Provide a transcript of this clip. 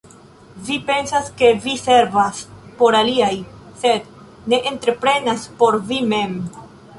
Vi pensas, ke vi servas por aliaj, sed ne entreprenas por vi mem!